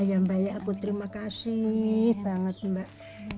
yang baik aku terima kasih banget mbak